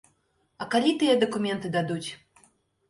А калі тыя дакументы дадуць?